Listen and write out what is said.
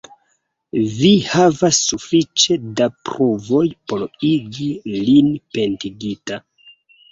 Vi havas sufiĉe da pruvoj por igi lin pendigita.